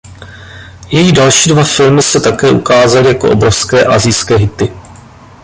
Její další dva filmy se také ukázaly jako obrovské asijské hity.